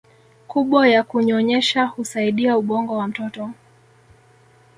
kubwa ya kunyonyesha husaidia ubongo wa mtoto